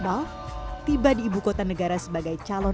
ayah percaya kepadaku